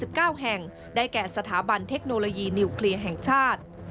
และปี๒๕๕๗มีทั้งหมด๒๙แห่งได้แก่สถาบันเทคโนโลยีนิวเคลียร์แห่งชาติ